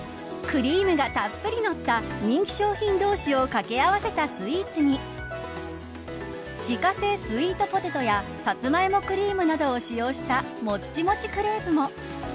クリームがたっぷりのった人気商品同士を掛け合わせたスイーツに自家製スイートポテトやサツマイモクリームなどを使用したもっちもちクレープも。